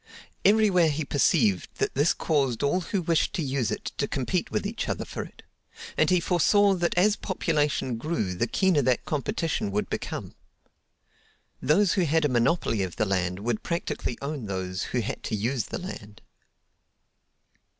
Everywhere he perceived that this caused all who wished to use it to compete with each other for it; and he foresaw that as population grew the keener that competition would become. Those who had a monopoly of the land would practically own those who had to use the land.